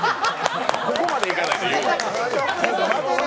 ここまでいかないと。